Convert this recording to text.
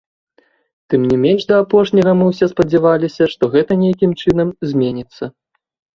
Тым не менш да апошняга мы ўсе спадзяваліся, што гэта нейкім чынам зменіцца.